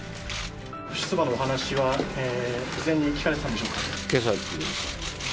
不出馬のお話は事前に聞かれてたんでしょうか？